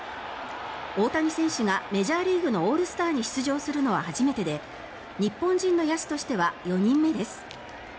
大谷選手がメジャーリーグのオールスターに出場するのは初めてで日本人の野手としては４人目です。